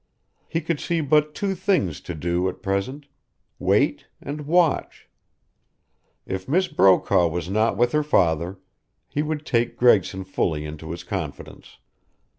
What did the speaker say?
He could see but two things to do at present, wait and watch. If Miss Brokaw was not with her father, he would take Gregson fully into his confidence.